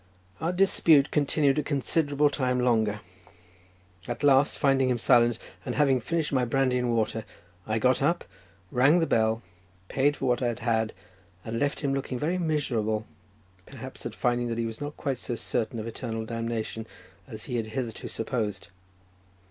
Our dispute continued a considerable time longer; at last, finding him silent, and having finished my brandy and water, I got up, rang the bell, paid for what I had had, and left him looking very miserable, perhaps at finding that he was not quite so certain of eternal damnation as he had hitherto supposed.